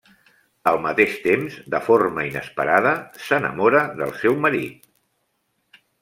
Al mateix temps, de forma inesperada, s’enamora del seu marit.